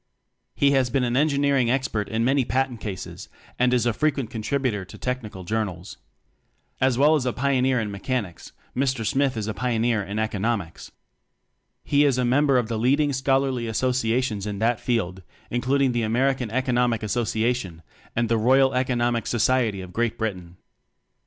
He has been an engineering expert in many patent cases, and is a frequent contributor to technical journals. As well as a pioneer in mechanics, Mr. Smyth is a pioneer in economics. He is a member of the leading scholarly associations in that field, including the Amer ican Economic Association and the Royal Economic Society of Great Britain.